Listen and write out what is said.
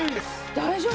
大丈夫？